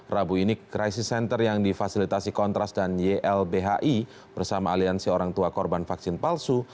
rabu ini crisis center yang difasilitasi kontras dan ylbhi bersama aliansi orang tua korban vaksin palsu